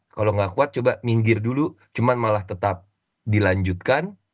kalau nggak kuat coba minggir dulu cuma malah tetap dilanjutkan